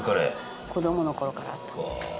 子供の頃からあった。